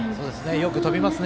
よく飛びますね。